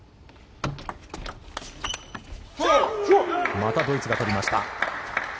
またドイツが取りました。